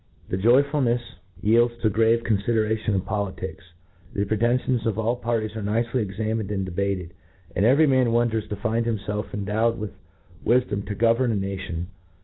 This joyoulhefs yields to the grave confid^ration of politics . the pretentions pf all parties are nicely examined and debated, and every man ^vonders to find himfelf endowed with wifdom to govern a na tion.